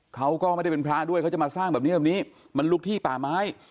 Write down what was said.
เขาก็ไม่ได้เป็นพระด้วยเขาจะมาสร้างแบบนี้แบบนี้มันลุกที่ป่าไม้